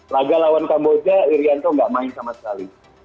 laga lawan kamboja irianto nggak main sama sekali